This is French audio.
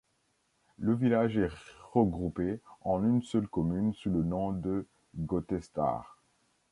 Le village est regroupé en une seule commune sous le nom de Gottesthal.